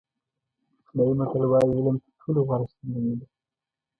چینایي متل وایي علم تر ټولو غوره شتمني ده.